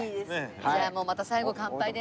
じゃあもうまた最後乾杯で。